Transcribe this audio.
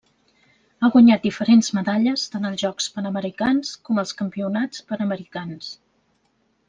Ha guanyat diferents medalles tant als Jocs Panamericans, com als Campionats Panamericans.